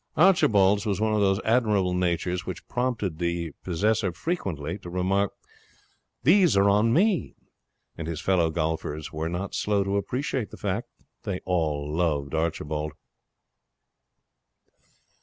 Archibald's was one of those admirable natures which prompt their possessor frequently to remark: 'These are on me!' and his fellow golfers were not slow to appreciate the fact. They all loved Archibald.